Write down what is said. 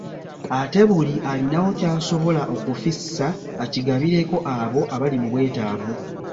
Ate buli alinawo kyasobola okufissa akigabireko abo abali mu bwetaavu.